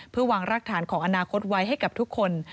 เพื่อวางรากฐานของอนาคตไว้ให้กับทุกคน